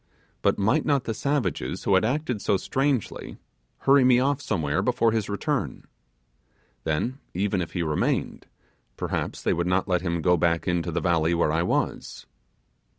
But might not the savages who had acted so strangely, hurry me off somewhere before his return? Then, even if he remained, perhaps they would not let him go back into the valley where I was.